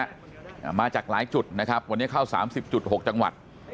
อ่ามาจากหลายจุดนะครับวันนี้เข้าสามสิบจุดหกจังหวัด